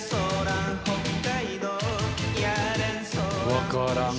わからん。